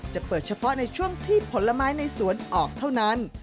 จะเปิดเฉพาะในช่วงที่ผลไม้ในสวนออกเท่านั้น